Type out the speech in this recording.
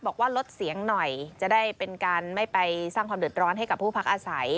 บอกว่าลดเสียงหน่อยจะได้เป็นการไม่ไปสร้างความเดือดร้อนให้กับผู้พักอาศัย